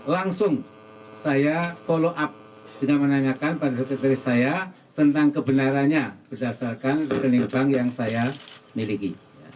langsung saya follow up dengan menanyakan pada dokter saya tentang kebenarannya berdasarkan rekening bank yang saya miliki